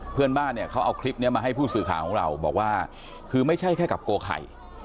เพื่อนบ้านเนี่ยเขาเอาคลิปนี้มาให้ผู้สื่อข่าวของเราบอกว่าคือไม่ใช่แค่กับโกไข่